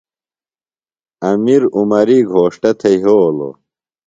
امیر عمری گھوݜٹہ تھےۡ یھولوۡ۔